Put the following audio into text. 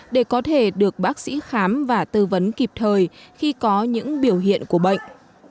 để có thể được bác sĩ khám và tư vấn kịp thời khi có những biểu hiện của bệnh